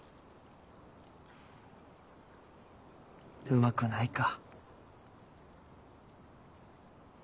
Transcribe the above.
うまくないか。